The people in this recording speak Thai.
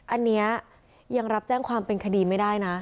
อันนี้ยังรับแจ้งความเป็นคดีไม่ได้นะ